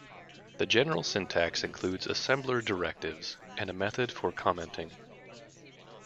The general syntax includes assembler directives and a method for commenting.